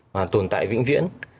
mà tồn tại vĩnh viễn